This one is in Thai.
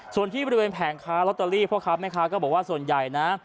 ส่วนที่บริเวณแผงค้าลอตเตอรี่พ่อค้าแม่ค้าก็บอกว่าส่วนใหญ่นะ